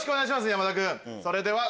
山田君。